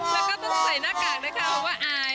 แล้วก็ต้องใส่หน้ากากด้วยค่ะเพราะว่าอาย